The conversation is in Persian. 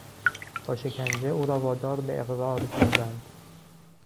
با شکنجه او را وادار به اقرار کردند.